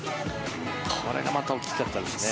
これがまた大きかったですね。